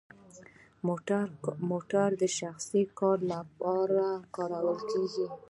موټر د شخصي کار لپاره کارول کیږي؟